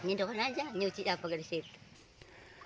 nyendokin aja nyuci apakah di situ